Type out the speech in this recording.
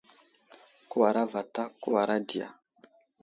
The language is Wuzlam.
Kəwara vatak ,kəwara di ya ?